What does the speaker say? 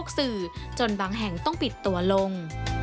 กระแสรักสุขภาพและการก้าวขัด